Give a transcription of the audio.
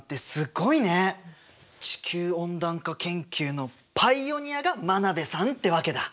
地球温暖化研究のパイオニアが真鍋さんってわけだ。